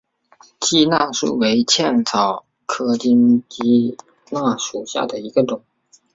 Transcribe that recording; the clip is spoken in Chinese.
鸡纳树为茜草科金鸡纳属下的一个种。